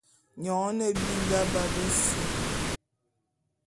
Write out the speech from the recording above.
Nyone nhe binga ba bese.